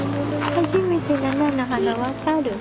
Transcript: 初めての菜の花分かる？